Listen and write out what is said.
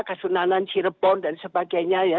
kesunanan cirebon dan sebagainya ya